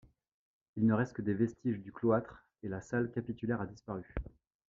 Il ne reste que des vestiges du cloître, et la salle capitulaire a disparu.